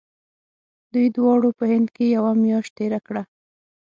دوی دواړو په هند کې یوه میاشت تېره کړه.